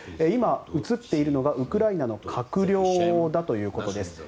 今、映っているのがウクライナの閣僚だということです。